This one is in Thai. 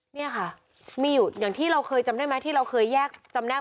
เนี่ยค่ะมีอยู่อย่างที่เราเคยจำได้ไหมที่เราเคยแยกจำแนบ